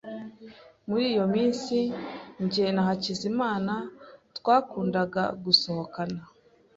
Muri iyo minsi, jye na Hakizimana twakundaga gusohokana.